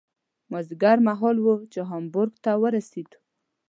مازدیګر مهال و چې هامبورګ ته ورسېدو.